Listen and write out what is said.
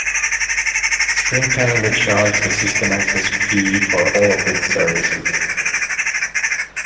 Sprint Canada charged a system access fee for all of its services.